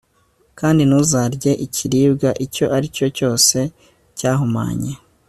kandi ntuzarye ikiribwa icyo ari cyo cyose cyahumanye